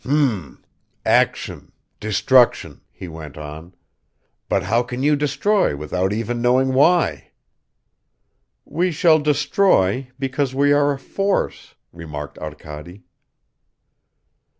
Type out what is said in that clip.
"Hm!. .. Action, destruction ..." he went on. "But how can you destroy without even knowing why?" "We shall destroy because we are a force," remarked Arkady.